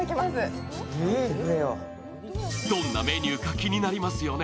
どんなメニューか気になりますよね。